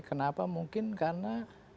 kenapa mungkin karena